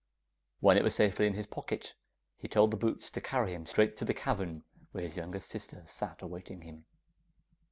When it was safely in his pocket, he told the boots to carry him straight to the cavern where his youngest sister sat awaiting him.